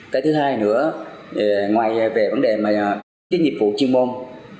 cái thứ hai nữa ngoài về vấn đề tiến nhiệm phụ chuyên môn